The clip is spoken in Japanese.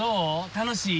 楽しい？